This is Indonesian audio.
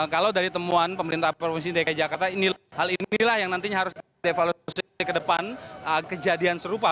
kalau dari temuan pemerintah provinsi dki jakarta hal inilah yang nantinya harus dievaluasi ke depan kejadian serupa